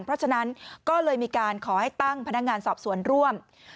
เพราะฉะนั้นก็เลยมีการขอให้ตั้งพนักงานสอบสวนร่วม